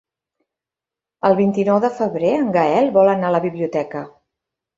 El vint-i-nou de febrer en Gaël vol anar a la biblioteca.